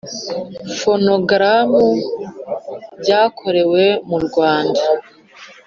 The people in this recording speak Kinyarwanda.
fonogaramu ryakorewe mu Rwanda